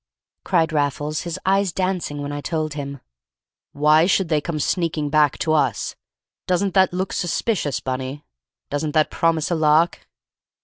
cried Raffles, his eyes dancing when I told him. "Why should they come sneaking back to us? Doesn't that look suspicious, Bunny; doesn't that promise a lark?"